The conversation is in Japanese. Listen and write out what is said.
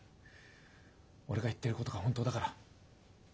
俺が言ってることが本当だから。